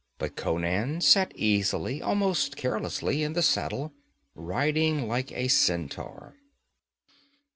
But Conan sat easily, almost carelessly, in the saddle, riding like a centaur.